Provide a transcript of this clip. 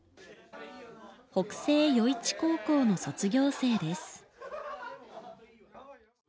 北星余市高校の卒業生です。